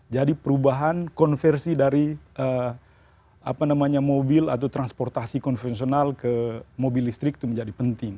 jadi perubahan konversi dari mobil atau transportasi konvensional ke mobil listrik itu menjadi penting